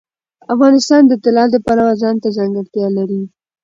افغانستان د طلا د پلوه ځانته ځانګړتیا لري.